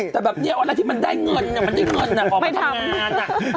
แต่แบบนี้เวลาที่มันได้เงินอะออกมาทำงานกันอะ